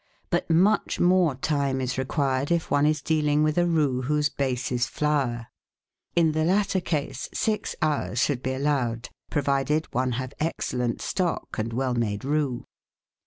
But much more time is required if one is deal ing with a roux whose base is flour. In the latter case six hours LEADING SAUCES 19 should be allowed, provided one have excellent stock and well made roux.